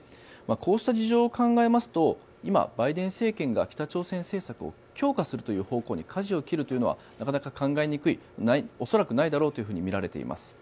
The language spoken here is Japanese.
こうした事情を考えますと今、バイデン政権が北朝鮮政策を強化するという方向にかじを切るというのはなかなか考えにくい、恐らくないだろうとみられています。